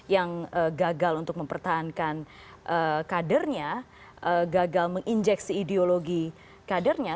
yang gagal untuk mempertahankan kader nya gagal menginjeksi ideologi kader nya